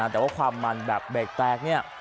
แต่ว่าความมันแบบเบรกแตกเนี่ย